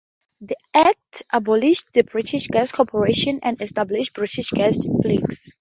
The Act abolished the British Gas Corporation and established British Gas plc.